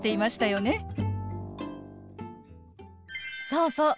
そうそう。